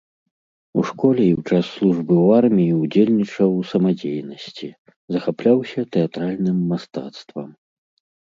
У школе і ў час службы ў арміі ўдзельнічаў у самадзейнасці, захапляўся тэатральным мастацтвам.